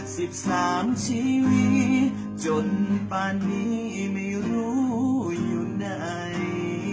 สิบสามชีวิตจนป่านนี้ไม่รู้อยู่ไหน